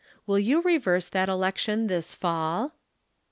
Will you reverse that election this fall